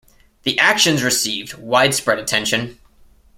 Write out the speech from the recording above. The actions received widespread attention.